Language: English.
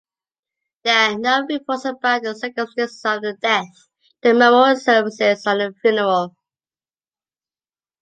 There are no reports about the circumstances of the death, the memorial services and the funeral.